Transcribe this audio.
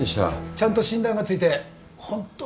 ちゃんと診断がついて本当によかった。